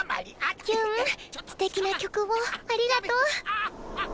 ヒュンすてきな曲をありがとう。